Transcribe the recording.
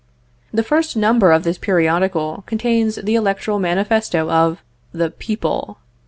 The first number of this periodical contains the electoral manifesto of the people.